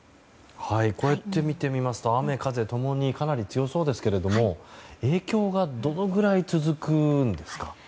こうやって見てみますと雨風ともにかなり強そうですが影響がどのぐらい続くんですか？